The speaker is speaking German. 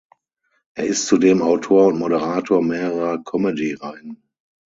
Er ist zudem Autor und Moderator mehrerer Comedy-Reihen.